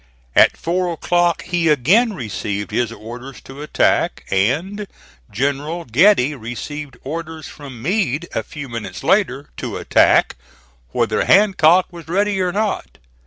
At four o'clock he again received his orders to attack, and General Getty received orders from Meade a few minutes later to attack whether Hancock was ready or not.